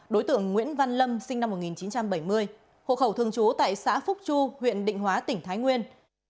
đối tượng nguyễn văn lâm sinh năm một nghìn chín trăm bảy mươi hộ khẩu thường trú tại xã phúc chu huyện định hóa tỉnh thái nguyên